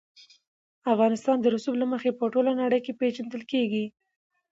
افغانستان د رسوب له مخې په ټوله نړۍ کې پېژندل کېږي.